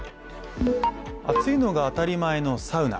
暑いのが当たり前のサウナ。